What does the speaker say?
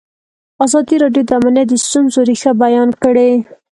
ازادي راډیو د امنیت د ستونزو رېښه بیان کړې.